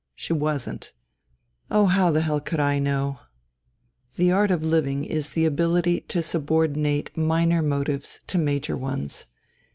She wasn't. Oh — how the hell could I know I The art of living is the ability to subordinate minor motives to major ones.